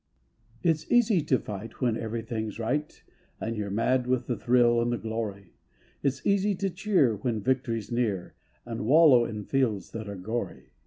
It's easy to fight when everything's right, And you're mad with the thrill and the glory; It's easy to cheer when victory's near, And wallow in fields that are gory.